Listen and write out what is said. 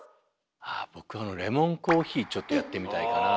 あ僕はあのレモンコーヒーちょっとやってみたいかなあ。